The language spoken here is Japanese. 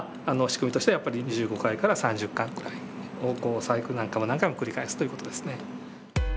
仕組みとしてはやっぱり２５回から３０回くらいを何回も何回も繰り返すという事ですね。